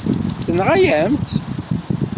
Tenɣa-yam-tt.